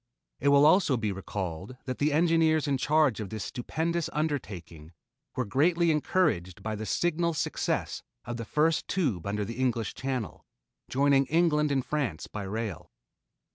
It will also be recalled that the engineers in charge of this stupendous undertaking were greatly encouraged by the signal success of the first tube under the English Channel, joining England and France by rail.